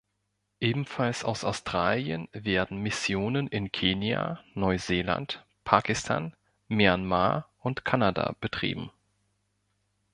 Ebenfalls aus Australien werden Missionen in Kenia, Neuseeland, Pakistan, Myanmar und Kanada betrieben.